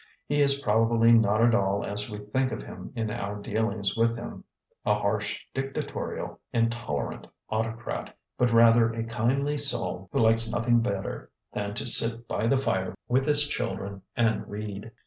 He is probably not at all as we think of him in our dealings with him a harsh, dictatorial, intolerant autocrat, but rather a kindly soul who likes nothing better than to sit by the fire with his children and read.